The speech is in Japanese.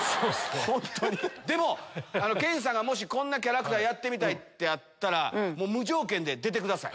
研さんがこんなキャラクターやってみたいってあったら無条件で出てください。